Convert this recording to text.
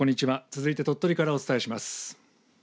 続いて鳥取からお伝えします。